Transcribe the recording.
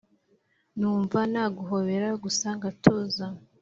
numva naguhobera gusa ngatuza